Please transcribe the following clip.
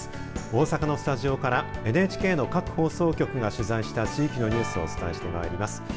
大阪のスタジオからＮＨＫの各放送局が取材した地域のニュースをお伝えしてまいります。